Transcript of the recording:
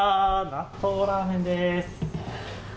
納豆ラーメンです。